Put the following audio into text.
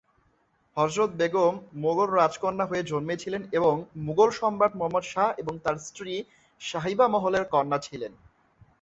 হযরত বেগম মুগল রাজকন্যা হয়ে জন্মেছিলেন এবং মুগল সম্রাট মুহাম্মদ শাহ এবং তার স্ত্রী সাহিবা মহলের কন্যা ছিলেন।